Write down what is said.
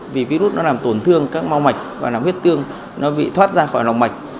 vì virus nó làm tổn thương các mau mạch và làm huyết tương nó bị thoát ra khỏi lòng mạch